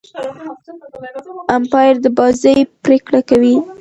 امپاير د بازۍ پرېکړي کوي.